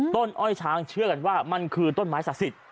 อ้อยช้างเชื่อกันว่ามันคือต้นไม้ศักดิ์สิทธิ